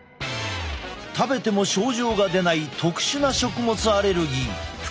食べても症状が出ない特殊な食物アレルギー。